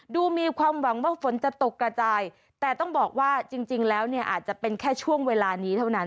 ดูมีความหวังว่าฝนจะตกกระจายแต่ต้องบอกว่าจริงแล้วเนี่ยอาจจะเป็นแค่ช่วงเวลานี้เท่านั้น